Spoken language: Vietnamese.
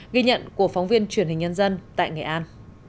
ghi nhận của phóng viên truyền hình nhân dân tại nghệ an